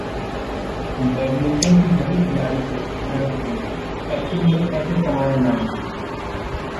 badminton की बड़ी खिलाड़ी थीं किरण खेर, एक्टिंग में ऐसे कमाया नाम